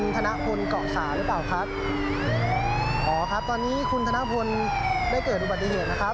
โปรดติดตามตอนต่อไป